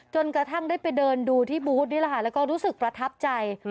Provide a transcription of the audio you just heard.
จนกระทั่งได้ไปเดินดูที่บูธนี่แหละค่ะแล้วก็รู้สึกประทับใจ